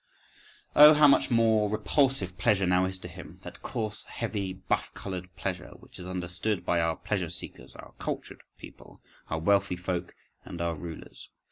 Oh, how much more repulsive pleasure now is to him, that coarse, heavy, buff coloured pleasure, which is understood by our pleasure seekers, our "cultured people," our wealthy folk and our rulers!